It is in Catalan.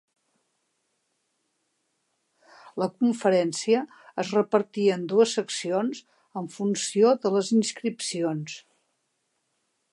La conferència es repartia en dues seccions en funció de les inscripcions.